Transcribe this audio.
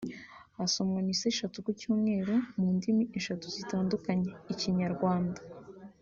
hasomwa misa eshatu ku cyumweru mu ndimi eshatu zitandukanye (Ikinyarwanda